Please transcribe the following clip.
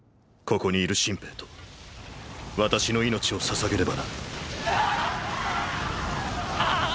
ここにいる新兵と私の命を捧げればな。